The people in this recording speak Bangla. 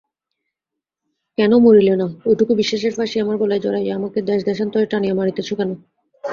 কেন মরিলে না–ঐটুকু বিশ্বাসের ফাঁসি আমার গলায় জড়াইয়া আমাকে দেশদেশান্তরে টানিয়া মারিতেছ কেন।